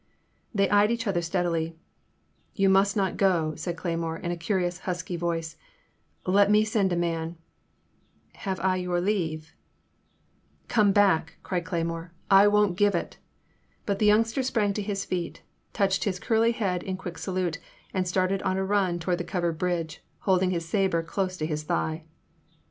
" They eyed each other steadily. You must not go, '* said Cle3nnore in a curious, husky voice, let me send a man "*' Have I your leave ?" ''Comeback," cried Cle3nnore, I won't give it!" — ^but the youngster sprang to his feet, touched his curly head in quick salute, and started on a run toward the covered bridge, holding his sabre close to his thigh.